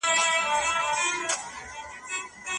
که خویندې خپلواکې وي نو غلامي به نه وي.